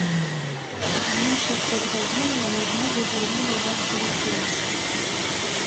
Менш як праз гадзіну яна зноў зазірнула ў бацькавы сенцы.